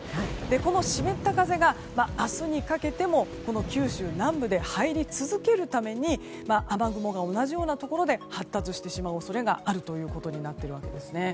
この湿った風が明日にかけても九州南部で入り続けるために雨雲が同じようなところで発達してしまう恐れがあることになっているわけです。